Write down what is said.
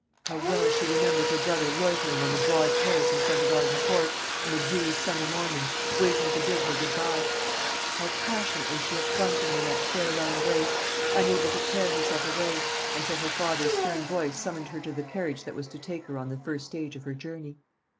How well she remembered her brother loitering on the broad terrace in front of Arden Court, in the dewy summer morning, waiting to bid her good bye! How passionately she had clung to him in that farewell embrace, unable to tear herself away, until her father's stern voice summoned her to the carriage that was to take her on the first stage of her journey!